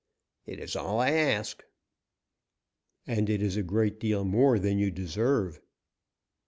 "It is all I ask." "And it is a great deal more than you deserve."